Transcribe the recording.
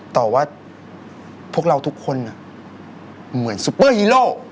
ต่อว่าพวกเราทุกคนเหมือนซุปเปอร์ฮีโร่